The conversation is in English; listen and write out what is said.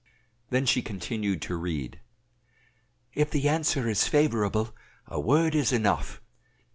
Then she continued to read "If the answer is favorable, a word is enough.